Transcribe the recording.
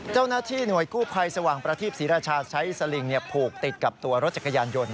เจ้าหน้าที่หน่วยกู้ภัยสว่างประทีปศรีราชาใช้สลิงผูกติดกับตัวรถจักรยานยนต์